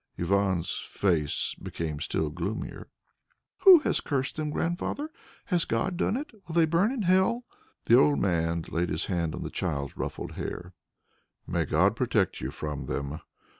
Ivan's face became still gloomier. "Who has cursed them, Grandfather? Has God done it? Will they burn in hell?" The old man laid his hand on the child's ruffled hair. "May God protect you from them.